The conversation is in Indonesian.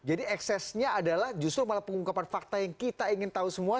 jadi eksesnya adalah justru malah pengungkapan fakta yang kita ingin tahu semua